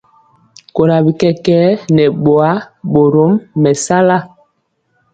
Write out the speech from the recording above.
Kora bi kɛkɛɛ nɛ boa, borom mɛsala.